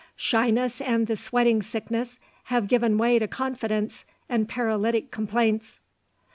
Shyness and the sweating sickness have given way to confidence and paralytic complaints."